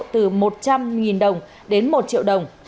từ một trăm linh đồng đến một triệu đồng